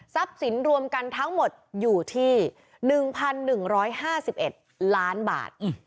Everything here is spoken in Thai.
สินรวมกันทั้งหมดอยู่ที่๑๑๕๑ล้านบาท